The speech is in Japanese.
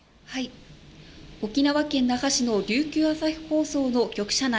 沖縄県那覇市の琉球朝日放送の局舎内